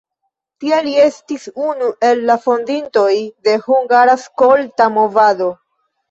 Tie li estis unu el la fondintoj de hungara skolta movado.